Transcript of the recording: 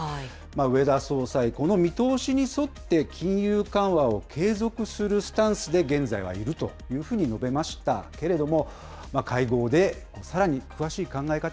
植田総裁、この見通しに沿って、金融緩和を継続するスタンスで現在はいるというふうに述べましたけれども、会合でさらに詳しい考え方